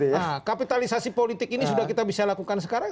nah kapitalisasi politik ini sudah kita bisa lakukan sekarang